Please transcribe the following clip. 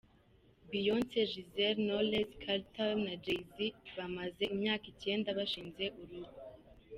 Beyoncé Giselle Knowles-Carter na Jay Z bamaze imyaka icyenda bashinze urugo.